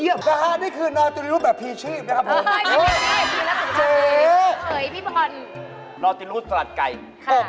อย่าคุยเรื่องโกกักเลย